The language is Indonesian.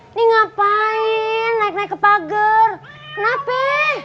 ini ngapain naik naik ke pagar napi